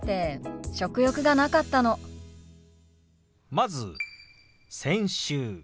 まず「先週」。